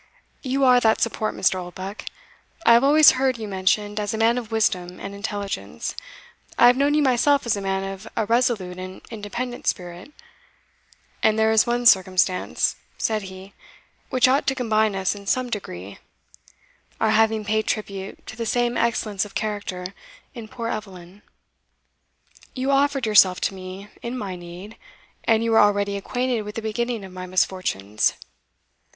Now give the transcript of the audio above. You are that support, Mr. Oldbuck. I have always heard you mentioned as a man of wisdom and intelligence I have known you myself as a man of a resolute and independent spirit; and there is one circumstance," said he, "which ought to combine us in some degree our having paid tribute to the same excellence of character in poor Eveline. You offered yourself to me in my need, and you were already acquainted with the beginning of my misfortunes.